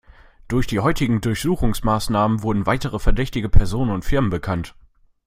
Durch die heutigen Durchsuchungsmaßnahmen wurden weitere verdächtige Personen und Firmen bekannt.